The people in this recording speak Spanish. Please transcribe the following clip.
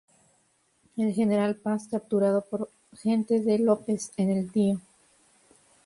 El general Paz, capturado por gente de López en el Tío.